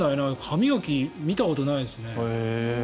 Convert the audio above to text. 歯磨き、見たことないですね。